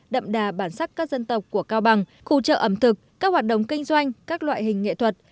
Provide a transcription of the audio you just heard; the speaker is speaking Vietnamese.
đậm đà bản sắc các dân tộc của cao bằng khu chợ ẩm thực các hoạt động kinh doanh các loại hình nghệ thuật